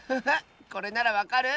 これならわかる？